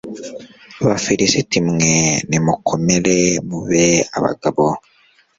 bafilisiti mwe, nimukomere mube abagabo